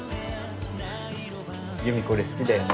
優美これ好きだよね。